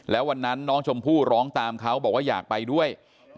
แล้ววันนั้นน้องชมพู่ร้องตามเขาบอกว่าอยากไปด้วย